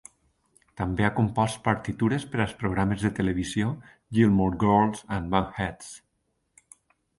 També ha compost partitures per als programes de televisió "Gilmore Girls" i "Bunheads".